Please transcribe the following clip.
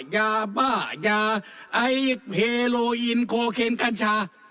ยาบ้ายาไอซ์เฮโลยินโคเคนกัญชา